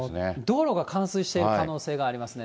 道路が冠水している可能性がありますね。